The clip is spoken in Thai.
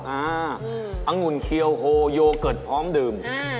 อังุ่นเคียวโฮโยเกิร์ตพร้อมดื่ม